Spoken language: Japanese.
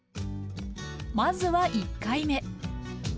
まずは１回目。